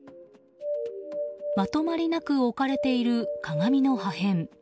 まとまりなく置かれている鏡の破片。